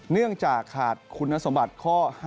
เนื่องจากขาดคุณสมบัติข้อ๕